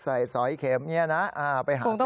ใส่สอยเข็มนี่นะไปหาสิ่งนี้